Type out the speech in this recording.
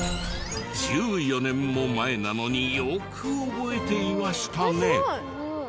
１４年も前なのによく覚えていましたね。